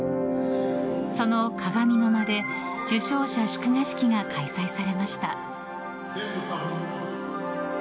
その鏡の間で受賞者祝賀式が開催されました。